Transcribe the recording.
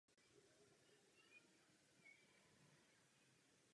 Nejnižší úrovně naopak dosahuje v srpnu.